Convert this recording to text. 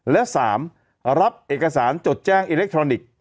และ๓รับเอกสารจดแจ้งอิเล็กทรอนิกส์